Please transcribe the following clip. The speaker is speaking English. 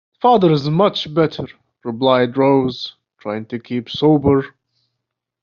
"Father is much better," replied Rose, trying to keep sober.